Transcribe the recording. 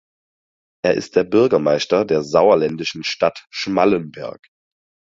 Er ist der Bürgermeister der sauerländischen Stadt Schmallenberg.